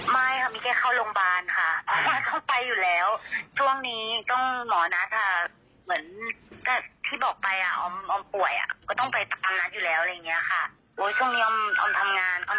ไม่รู้เลยไม่ใช่ออมแน่นอน